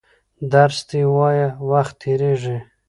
درس دي وایه وخت تېرېږي!